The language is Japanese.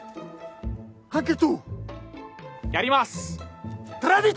「やります」